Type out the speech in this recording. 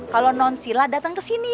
kalau nonsila datang kesini ya